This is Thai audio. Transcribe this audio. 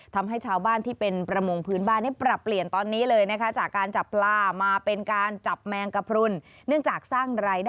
ทำให้ชาวบ้านที่เป็นประมงพื้นบ้านเปลี่ยนต่อนี้เลยนะคะ